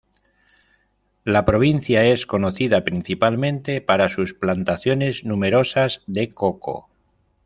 La provincia es conocida principalmente para sus plantaciones numerosas de coco.